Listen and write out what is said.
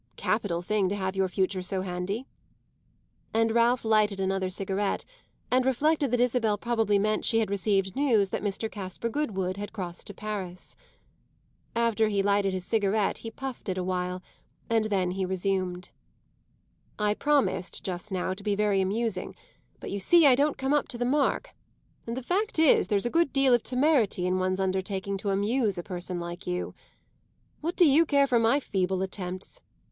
Capital thing to have your future so handy." And Ralph lighted another cigarette and reflected that Isabel probably meant she had received news that Mr. Caspar Goodwood had crossed to Paris. After he had lighted his cigarette he puffed it a while, and then he resumed. "I promised just now to be very amusing; but you see I don't come up to the mark, and the fact is there's a good deal of temerity in one's undertaking to amuse a person like you. What do you care for my feeble attempts?